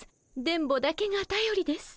電ボだけがたよりです。